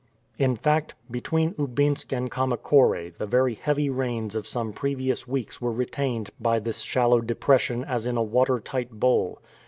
In fact, between Oubinsk and Kamakore the very heavy rains of some previous weeks were retained by this shallow depression as in a water tight bowl.